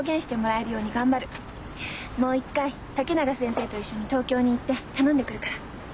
もう一回竹永先生と一緒に東京に行って頼んでくるから。